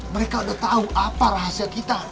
mereka udah tahu apa rahasia kita